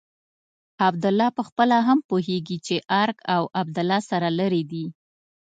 عبدالله پخپله هم پوهېږي چې ارګ او عبدالله سره لرې دي.